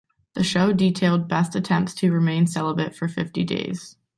The show detailed Best's attempts to remain celibate for fifty days.